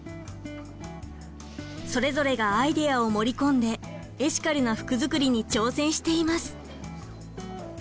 それぞれがアイデアを盛り込んでエシカルな服作りに挑戦しています。